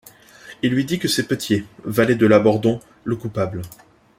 Il lui dit que c'est Petiet, valet de Labordon, le coupable.